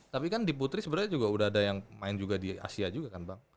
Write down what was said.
tapi kan di putri sebenarnya juga udah ada yang main juga di asia juga kan bang